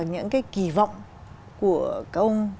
những cái kỳ vọng của các ông